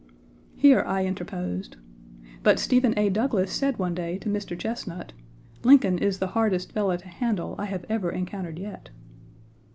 Here I interposed: "But Stephen A. Douglas said one day to Mr. Chesnut, 'Lincoln is the hardest fellow to handle I have ever encountered yet.'